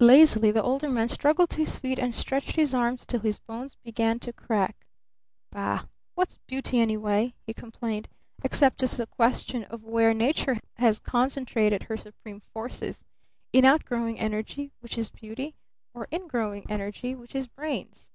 Lazily the Older Man struggled to his feet and stretched his arms till his bones began to crack. "Bah! What's beauty, anyway," he complained, "except just a question of where Nature has concentrated her supreme forces in outgrowing energy, which is beauty; or ingrowing energy, which is brains!